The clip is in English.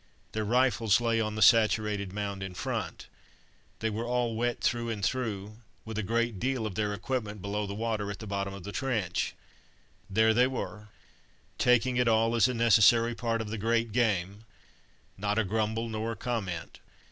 Their rifles lay on the saturated mound in front. They were all wet through and through, with a great deal of their equipment below the water at the bottom of the trench. There they were, taking it all as a necessary part of the great game; not a grumble nor a comment.